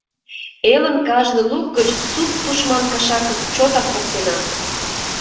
Элын кажне лук гыч Сут тушман кашакым Чотак поктена!